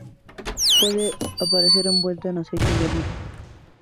Puede aparecer envuelto en aceite de oliva.